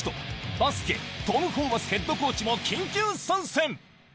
バスケ、トム・ホーバスヘッドコーチも緊急参戦。